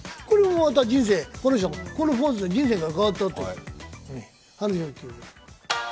これもまた人生、このポーズで人生が変わったという。